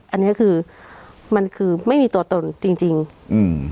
อันนี้คือมันคือไม่มีตัวตนจริงจริงอืม